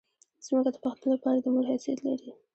ځمکه د پښتون لپاره د مور حیثیت لري.